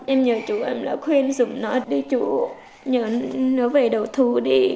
em nhờ chú em là khuyên giùm nó đưa chú nhớ nó về đầu thu đi